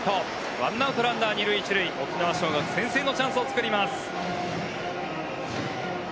ワンアウト、ランナー二塁一塁、沖縄尚学、先制のチャンスを作ります。